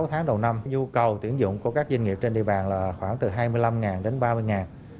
sáu tháng đầu năm nhu cầu tuyển dụng của các doanh nghiệp trên địa bàn là khoảng từ hai mươi năm đến ba mươi